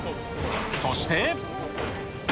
そして。